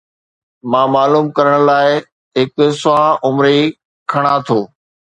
مان معلوم ڪرڻ لاءِ هڪ سوانح عمري کڻان ٿو.